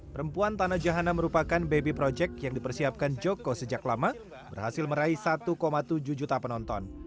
perempuan tanah jahana merupakan baby project yang dipersiapkan joko sejak lama berhasil meraih satu tujuh juta penonton